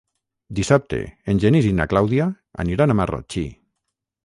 Dissabte en Genís i na Clàudia aniran a Marratxí.